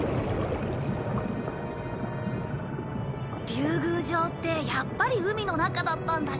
竜宮城ってやっぱり海の中だったんだね。